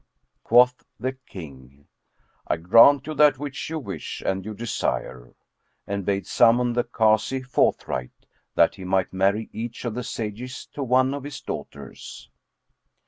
Quoth the King, "I grant you that which you wish and you desire," and bade summon the Kazi forthright, that he might marry each of the sages to one of his daughters.